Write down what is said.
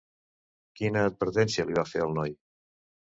Quina advertència li va fer al noi?